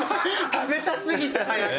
食べたすぎて早く。